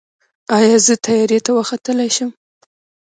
ایا زه طیارې ته وختلی شم؟